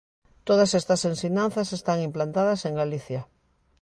Todas estas ensinanzas están implantadas en Galicia.